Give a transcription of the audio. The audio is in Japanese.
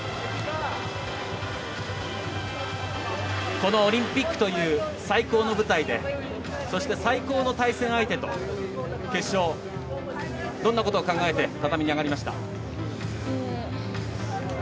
このオリンピックという最高の舞台でそして最高の対戦相手と決勝どんなことを考えて畳に上がりました？